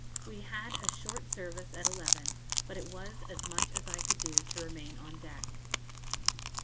We had a short service at eleven, but it was as much as I could do to remain on deck.